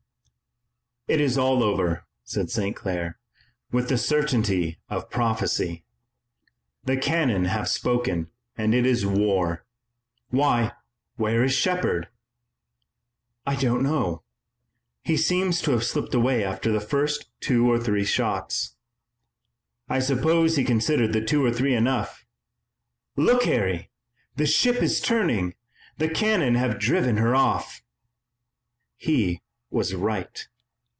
"It is all over," said St. Clair, with the certainty of prophecy. "The cannon have spoken and it is war. Why, where is Shepard?" "I don't know. He seems to have slipped away after the first two or three shots." "I suppose he considered the two or three enough. Look, Harry! The ship is turning! The cannon have driven her off!" He was right.